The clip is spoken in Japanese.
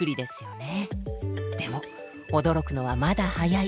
でも驚くのはまだ早い。